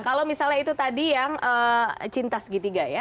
kalau misalnya itu tadi yang cinta segitiga ya